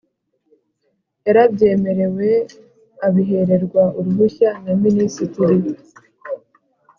yarabyemerewe abihererwa uruhushya na Minisitiri